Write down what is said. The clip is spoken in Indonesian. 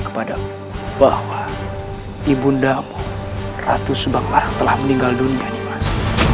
kepadamu bahwa ibundamu ratu subaklah telah meninggal dunia nih mas